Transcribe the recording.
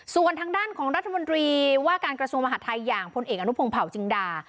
ส่วนทางด้านของรัฐมนตรีว่าการกระทรวงมหาดไทยอย่างพลเอกอนุพงศ์เผาจินดา